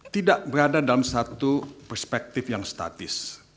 tidak berada dalam satu perspektif yang statis